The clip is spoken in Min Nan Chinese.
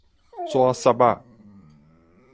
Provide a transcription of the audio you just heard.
紙屑仔